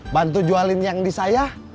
bantu jualin yang di saya